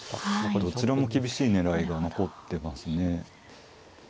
どちらも厳しい狙いが残ってますね。